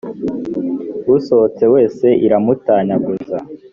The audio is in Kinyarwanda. usohotse wese iramutanyaguza